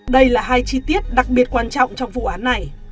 đây là hai chi tiết đặc biệt quan trọng trong vụ án này